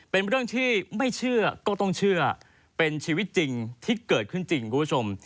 เป็นเรื่องที่ไม่เชื่อก็ต้องเชื่อเป็นชีวิตจริงที่เกิดขึ้นจริงคุณผู้ชม